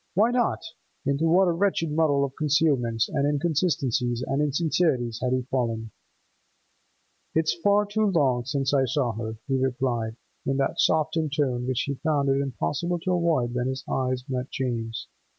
Why not? Into what a wretched muddle of concealments and inconsistencies and insincerities had he fallen! 'It's far too long since I saw her,' he replied, in that softened tone which he found it impossible to avoid when his eyes met Jane's.